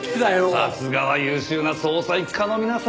さすがは優秀な捜査一課の皆様。